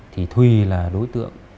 thì thùy là đối tượng